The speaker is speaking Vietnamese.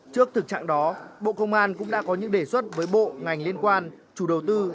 trước thực trạng đó bộ công an cũng đã có những đề xuất với bộ ngành liên quan chủ đầu tư